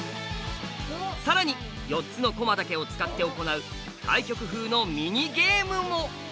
さらに４つの駒だけを使って行う対局風のミニゲームも。